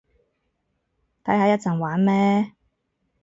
睇下一陣玩咩